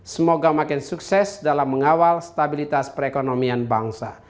semoga makin sukses dalam mengawal stabilitas perekonomian bangsa